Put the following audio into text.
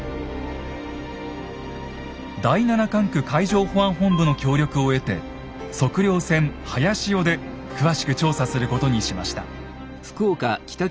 第七管区海上保安本部の協力を得て測量船「はやしお」で詳しく調査することにしました。